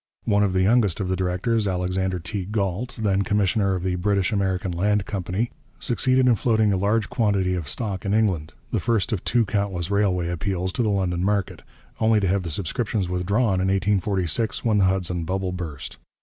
One of the youngest of the directors, Alexander T. Galt, then commissioner of the British American Land Company, succeeded in floating a large quantity of stock in England the first of countless railway appeals to the London market only to have the subscriptions withdrawn in 1846 when the Hudson bubble burst.